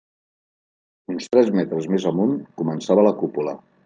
Uns tres metres més amunt començava la cúpula.